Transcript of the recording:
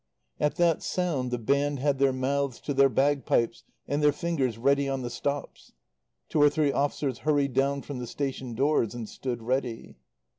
At that sound the band had their mouths to their bagpipes and their fingers ready on the stops. Two or three officers hurried down from the station doors and stood ready.